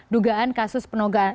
dugaan kasus penodaan